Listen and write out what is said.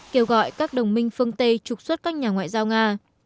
kêu gọi các đồng minh phương tây trục xuất các nhà ngoại giao nga